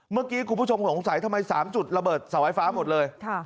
เมื่อกี้คุณผู้ชมสงสัยทำไม๓จุดระเบิดเสาไฟฟ้าหมดเลย